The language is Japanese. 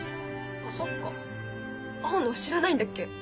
そっか青野は知らないんだっけ。